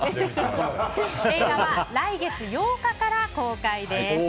映画は来月８日から公開です。